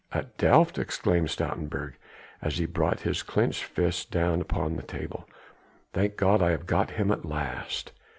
"At Delft!" exclaimed Stoutenburg as he brought his clenched fist down upon the table. "Thank God! I have got him at last."